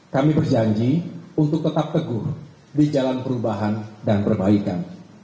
kami berjanji untuk tetap teguh di jalan perubahan dan perbaikan